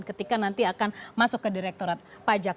ketika nanti akan masuk ke direkturat pajak